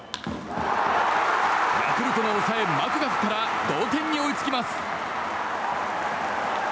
ヤクルトの抑え、マクガフから同点に追いつきます。